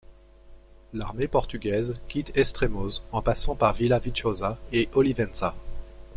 L'armée portugaise quitte Estremoz, en passant par Vila Viçosa et Olivenza.